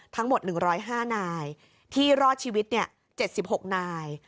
ทั้งหมด๑๐๕นายที่รอดชีวิต๗๖นาย